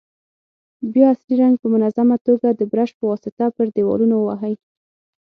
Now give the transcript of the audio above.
بیا اصلي رنګ په منظمه توګه د برش په واسطه پر دېوالونو ووهئ.